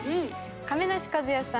亀梨和也さん